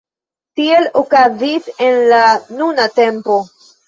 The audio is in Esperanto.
Tiel okazis en la nuna tempo.